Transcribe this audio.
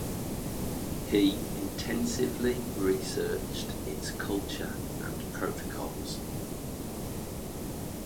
He intensively researched its culture and protocols.